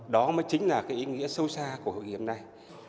đó mới chính là cái ý nghĩa sâu xa của hội nghiệp này